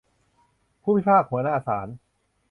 ผู้พิพากษาหัวหน้าศาล